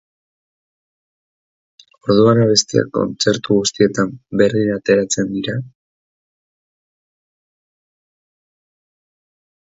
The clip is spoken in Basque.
Orduan abestiak kontzertu guztietan berdin ateratzen dira?